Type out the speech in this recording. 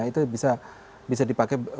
itu bisa dipakai